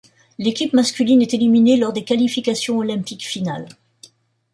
L'équipe masculine est éliminée lors des qualifications olympiques finales.